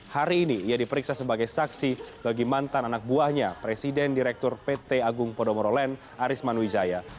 hari ini ia diperiksa sebagai saksi bagi mantan anak buahnya presiden direktur pt agung podomoro land arisman wijaya